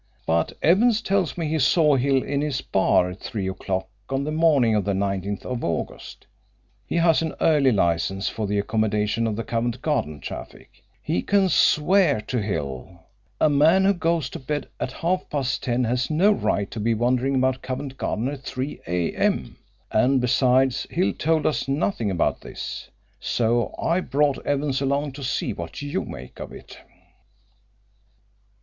But Evans tells me he saw Hill in his bar at three o'clock on the morning of the 19th of August. He has an early license for the accommodation of the Covent Garden traffic. He can swear to Hill. A man who goes to bed at half past ten has no right to be wandering about Covent Garden at 3 a. m. And besides, Hill told us nothing about this. So I brought Evans along to see what you make of it."